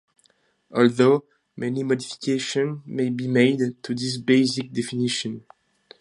Although, "many modifications may be made to this basic definition".